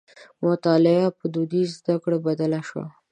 مطالعه په دودیزو زدکړو بدله شوه.